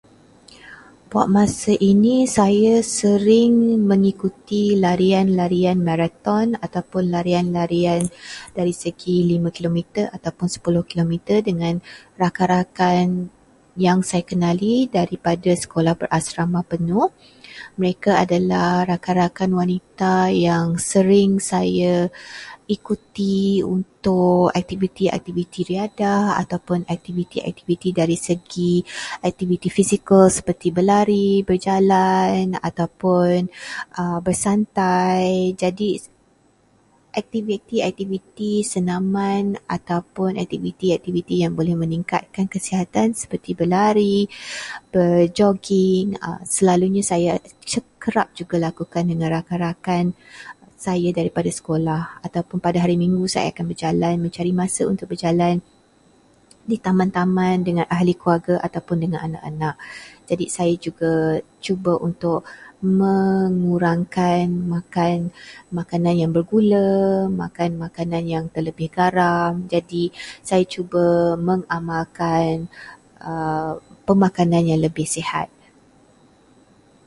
Buat masa ini, saya sering mengikuti larian-larian maraton ataupun larian-larian dari segi lima kilometer ataupuun 10 kilometer dengan rakan-rakan yang saya kenali daripada sekolah berasrama penuh. Mereka adalah rakan-rakan wanita yang sering saya ikuti untuk aktiviti-aktiviti riadah ataupun aktiviti-aktiviti dari segi aktiviti fizikal seperti berlari, berjalan, ataupun bersantai. Jadi, aktiviti-aktiviti senaman ataupun aktiviti-aktiviti yang boleh meningkatkan kesihatan seperti berlari, berjoging, selalunya saya kerap juga lakukan dengan rakan-rakan saya daripada sekolah. Ataupun pada hari minggu saya akan berjalan- mencari masa untuk berjalan di taman-taman dengan ahli keluarga ataupun dengan anak-anak. Jadi saya juga cuba untuk mengurangkan makan makanan yang bergula, makan makanan yang terlebih garam. Jadi saya cuba mengamalkan aa pemakanan yang lebih sihat.